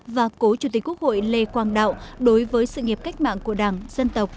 và cố chủ tịch quốc hội lê quang đạo đối với sự nghiệp cách mạng của đảng dân tộc